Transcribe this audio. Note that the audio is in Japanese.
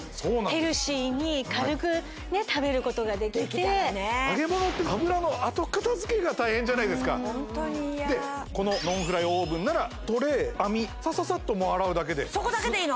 ヘルシーに軽く食べることができて揚げ物って油の後片づけが大変じゃないですかホントにいやこのノンフライオーブンならトレー網サササッと洗うだけでそこだけでいいの？